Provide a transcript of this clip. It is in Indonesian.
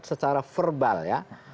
secara verbal ya